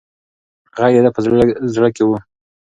غږ د ده په زړه کې و.